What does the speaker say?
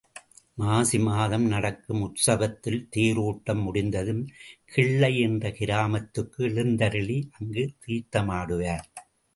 மாசி மாதம் நடக்கும் உற்சவத்தில் தேரோட்டம் முடிந்ததும் கிள்ளை என்ற கிராமத்துக்கு எழுந்தருளி அங்கு தீர்த்தமாடுவார்.